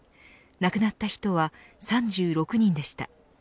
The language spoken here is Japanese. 亡くなった人は３６人でした。